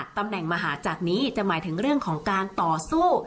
ตำแหน่งมหาจักรนี้จะหมายถึงเรื่องของการต่อสู้